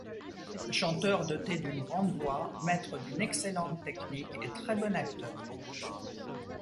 Chanteur doté d'une grand voix, maître d'une excellente technique et très bon acteur.